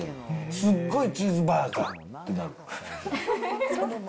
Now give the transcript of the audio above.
すっごいチーズバーガー。